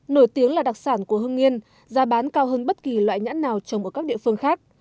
nổi tiếng là đặc sản của hương yên giá bán cao hơn bất kỳ loại nhãn nào trồng ở các địa phương khác